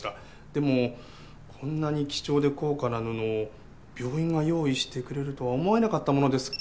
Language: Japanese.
でもこんなに貴重で高価な布を病院が用意してくれるとは思えなかったものですから。